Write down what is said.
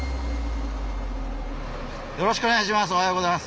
よろしくお願いします！